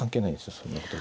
そんなことは。